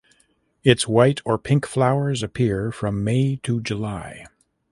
Its white or pink flowers appear from May to July.